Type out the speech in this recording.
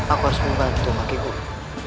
aku harus membantu kakek guru